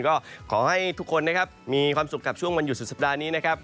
ก็ขอให้ทุกคนนะครับมีความสุขกับช่วงวันหยุดสุดสัปดาห์นี้นะครับ